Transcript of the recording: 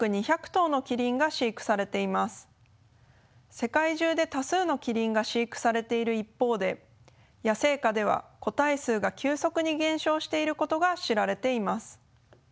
世界中で多数のキリンが飼育されている一方で野生下では個体数が急速に減少していることが知られています。